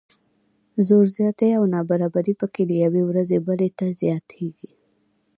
زور زیاتی او نابرابري پکې له یوې ورځې بلې ته زیاتیږي.